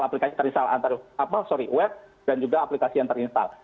aplikasi terinstall antara web dan juga aplikasi yang terinstall